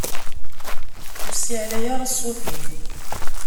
Ur ssiɛlay ara ssut-im!